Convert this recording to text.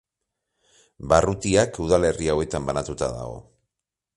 Barrutiak udalerri hauetan banatuta dago.